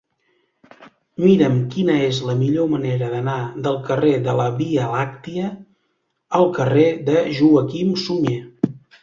Mira'm quina és la millor manera d'anar del carrer de la Via Làctia al carrer de Joaquim Sunyer.